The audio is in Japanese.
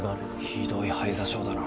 ひどい肺挫傷だな。